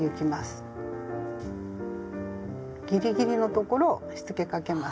ギリギリの所をしつけかけます。